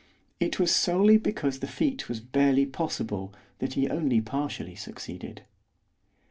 It was solely because the feat was barely possible that he only partially succeeded.